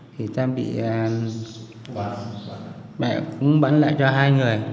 thì ta cũng bị bắn lại cho hai người